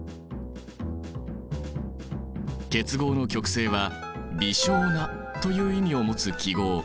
結合の極性は微小なという意味を持つ記号